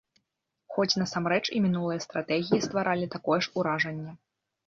Хоць насамрэч і мінулыя стратэгіі стваралі такое ж уражанне.